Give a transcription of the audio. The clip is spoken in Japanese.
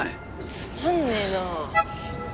つまんねえなあ